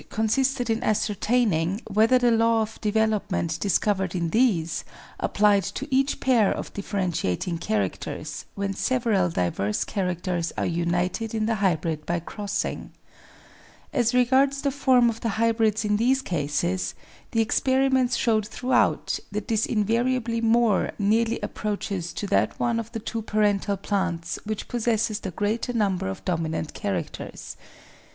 Though his work makes it evident that such varieties may exist, APPENDIX 327 in ascertaining whether the law of development discovered in these applied to each pair of differentiating characters when several diverse characters are united in the hybrid by crossing. As regards the form of the hybrids in these cases, the experiments showed throughout that this invariably more nearly approaches to that one of the two parental plants which possesses the greater number of dominant characters.